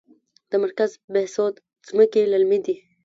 د مرکز بهسود ځمکې للمي دي